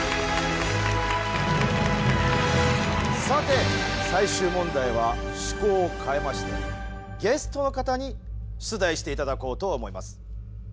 さて最終問題は趣向を変えましてゲストの方に出題していただこうと思います。